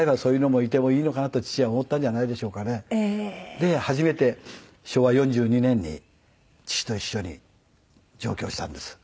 で初めて昭和４２年に父と一緒に上京したんです。